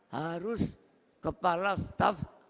terus kepala staf